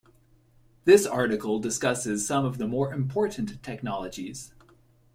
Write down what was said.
This article discusses some of the more important technologies.